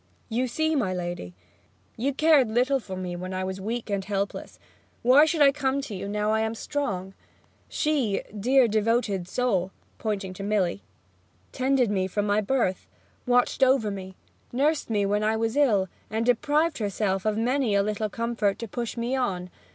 You see, my lady, you cared little for me when I was weak and helpless; why should I come to you now I am strong? She, dear devoted soul [pointing to Milly], tended me from my birth, watched over me, nursed me when I was ill, and deprived herself of many a little comfort to push me on.